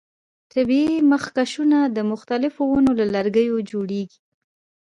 طبیعي مخکشونه د مختلفو ونو له لرګیو جوړیږي.